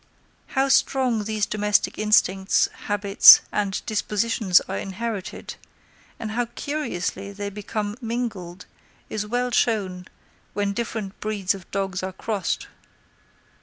How strongly these domestic instincts, habits, and dispositions are inherited, and how curiously they become mingled, is well shown when different breeds of dogs are crossed.